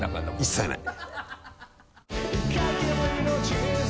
一切ない。